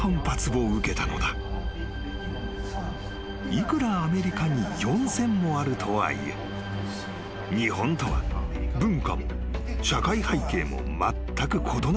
［いくらアメリカに４，０００もあるとはいえ日本とは文化も社会背景もまったく異なる国でのこと］